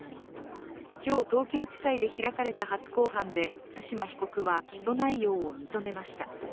今日、東京地裁で開かれた初公判で対馬被告は起訴内容を認めました。